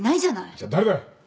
じゃ誰だ。